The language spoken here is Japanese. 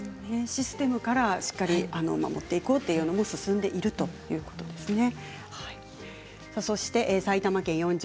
システムからしっかり守っていこうというのも進んでいるということですね。